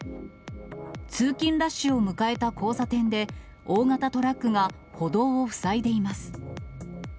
通勤ラッシュを迎えた交差点で、大型トラックが歩道を塞いでいます。